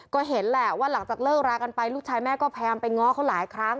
ก็เห็นแหละว่าหลังจากเลิกรากันไปลูกชายแม่ก็พยายามไปง้อเขาหลายครั้ง